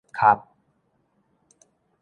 磕